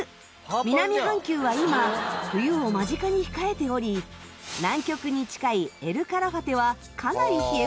南半球は今冬を間近に控えており南極に近いエル・カラファテはかなり冷え込むのだ。